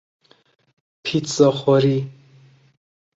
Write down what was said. پیتزا خوری